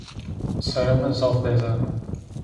Serê mı zaf dezeno.